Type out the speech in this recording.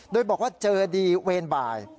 โดยบอกว่าเจอดีเวรบ่าย